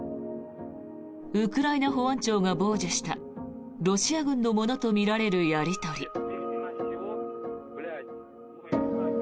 ウクライナ保安庁が傍受したロシア軍のものとみられるやり取り。